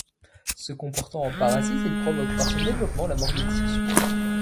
Se comportant en parasite, il provoque par son développement la mort des tissus.